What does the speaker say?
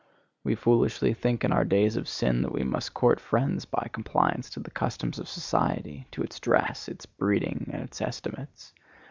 We foolishly think in our days of sin that we must court friends by compliance to the customs of society, to its dress, its breeding, and its estimates.